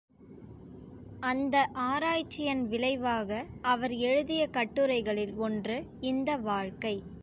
அந்த ஆராய்ச்சியன் விளைவாக அவர் எழுதிய கட்டுரைகளில் ஒன்று இந்த வாழ்க்கை.